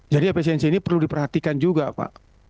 jadi efisiensi ini perlu diperhatikan juga pak